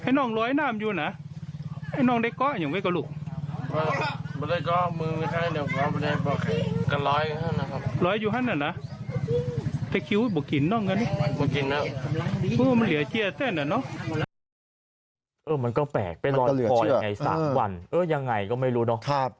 เออมันก็แปลกเป็นร้อนพอละไงสักวันเออยังไงก็ไม่รู้เนอะ